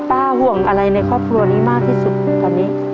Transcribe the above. ห่วงอะไรในครอบครัวนี้มากที่สุดตอนนี้